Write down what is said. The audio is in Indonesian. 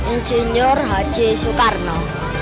insinyur haji soekarno